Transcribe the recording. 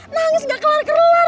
nangis nggak kelar kelar